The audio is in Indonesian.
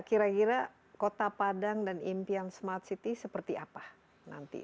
kira kira kota padang dan impian smart city seperti apa nanti